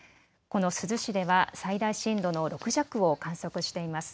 この珠洲市では最大震度の６弱を観測しています。